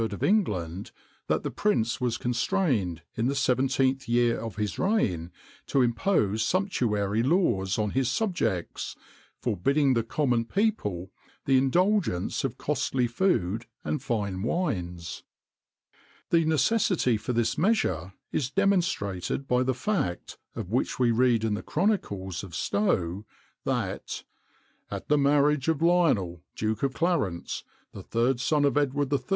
of England, that that prince was constrained, in the 17th year of his reign, to impose sumptuary laws on his subjects, forbidding the common people the indulgence of costly food and fine wines.[XXIX 97] The necessity for this measure is demonstrated by the fact, of which we read in the chronicles of Stow,[XXIX 98] that, "at the marriage of Lionel, Duke of Clarence, the third son of Edward III.